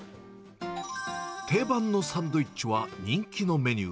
定番のサンドイッチは人気のメニュー。